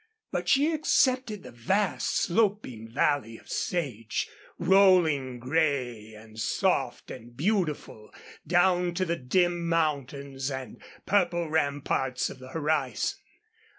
But she accepted the vast sloping valley of sage, rolling gray and soft and beautiful, down to the dim mountains and purple ramparts of the horizon.